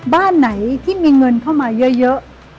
บ้านไหนที่มีเงินเข้ามาเยอะ